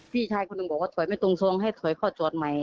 พี่ชายคนหนึ่งบอกว่าถอยไม่ตรงทรงให้ถอยเข้าจอดใหม่